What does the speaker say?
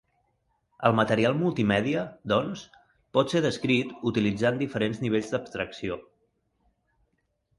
El material multimèdia, doncs, pot ser descrit utilitzant diferents nivells d'abstracció.